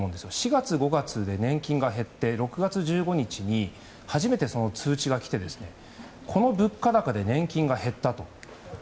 ４月、５月で年金が減って６月１５日に初めて通知が来てこの物価高で年金が減ったと。